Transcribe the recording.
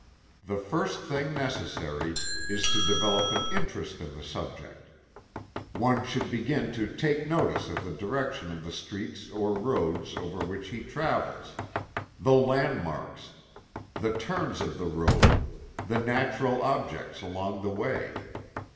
The first thing necessary is to develop an interest in the subject. One should begin to "take notice" of the direction of the streets or roads over which he travels; the landmarks; the turns of the road; the natural objects along the way.